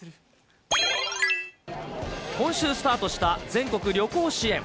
今週スタートした全国旅行支援。